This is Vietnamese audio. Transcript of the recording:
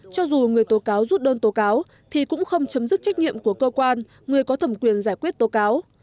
cho dù người tố cáo rút đơn tố cáo thì cũng không chấm dứt trách nhiệm của cơ quan người có thẩm quyền giải quyết tố cáo